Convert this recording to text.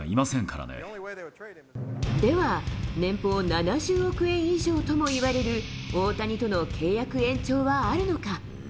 では、年俸７０億円以上ともいわれる大谷との契約延長はあるのか？